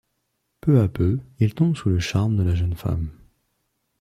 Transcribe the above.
Peu à peu, il tombe sous le charme de la jeune femme.